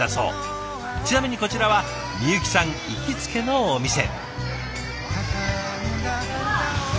ちなみにこちらはみゆきさん行きつけのお店。